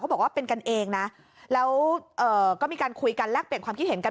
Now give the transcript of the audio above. บอกว่าเป็นกันเองนะแล้วก็มีการคุยกันแลกเปลี่ยนความคิดเห็นกัน